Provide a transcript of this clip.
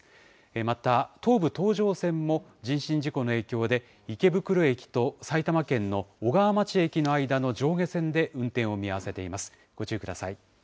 また東武東上線も人身事故の影響で、池袋駅と埼玉県の小川町駅の間の上下線で運転を見合わせています。